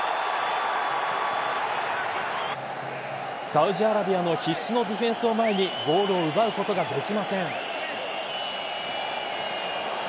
サウジアラビアの必死のディフェンスを前にゴールを奪うことができません。